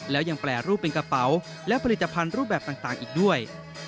แล้วยังแปรรูปเป็นกระเป๋าและผลิตภัณฑ์รูปแบบต่างอีกด้วย